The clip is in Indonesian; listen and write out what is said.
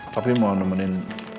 tapi mau nemenin